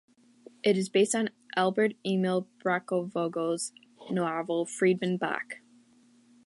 It is based on Albert Emil Brachvogel's novel Friedemann Bach.